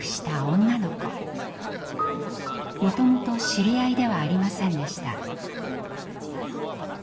もともと知り合いではありませんでした。